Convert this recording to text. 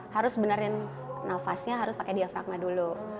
harus benerin nafasnya harus pakai diafragma dulu